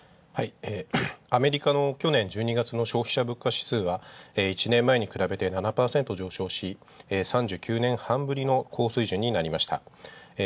はい、アメリカの去年１１月の消費者物価指数は１年前に比べて７％上昇し、３９年半ぶりの高水準になりました。